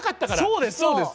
そうですそうです。